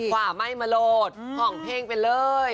กว่าไม่มาโหลดห่องเพลงเป็นเลย